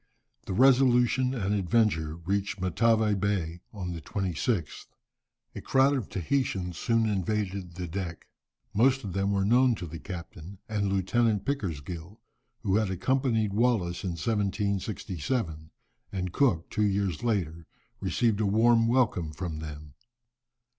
The Resolution and Adventure reached Matavai Bay on the 26th. A crowd of Tahitians soon invaded the deck. Most of them were known to the captain, and Lieutenant Pickersgill, who had accompanied Wallis in 1767, and Cook two years later, received a warm welcome from them.